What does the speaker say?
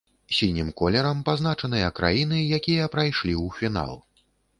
Сінім колерам пазначаныя краіны, якія прайшлі ў фінал.